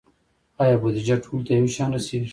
آیا بودیجه ټولو ته یو شان رسیږي؟